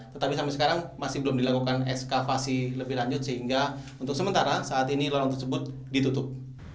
tetapi sampai sekarang masih belum dilakukan ekskavasi lebih lanjut sehingga untuk sementara saat ini lorong tersebut ditutup